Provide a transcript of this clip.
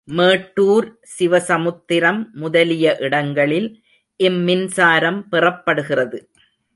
மேட்டூர், சிவசமுத்திரம் முதலிய இடங்களில் இம்மின்சாரம் பெறப்படுகிறது.